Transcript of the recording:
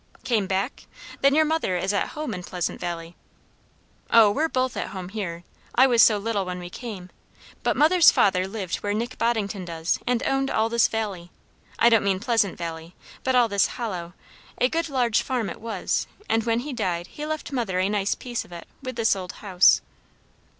"Came back, then your mother is at home in Pleasant Valley?" "O, we're both at home here I was so little when we came; but mother's father lived where Nick Boddington does, and owned all this valley I don't mean Pleasant Valley, but all this hollow; a good large farm it was; and when he died he left mother a nice piece of it, with this old house."